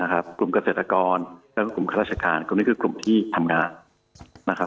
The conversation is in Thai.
กลุ่มเกษตรกรและกลุ่มราชการก็นี่คือกลุ่มที่ทำงาน